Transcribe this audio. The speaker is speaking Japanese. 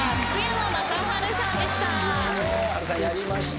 波瑠さんやりました。